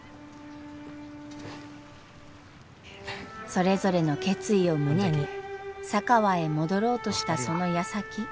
それぞれの決意を胸に佐川へ戻ろうとしたそのやさき。